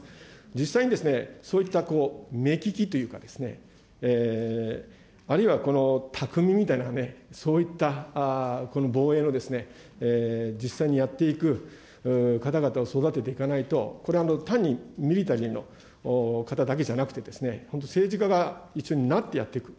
実際にそういった目利きというか、あるいはたくみみたいなね、そういった防衛の、実際にやっていく方々を育てていかないと、これは単にミリタリーの方だけじゃなくて、本当、政治家が一緒になってやっていく。